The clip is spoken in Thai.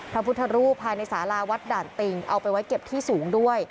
พระพุทธรูปภายในสาราวัดด่านติงเอาไปไว้เก็บที่สูงด้วย